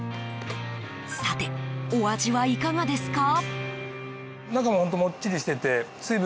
さて、お味はいかがですか？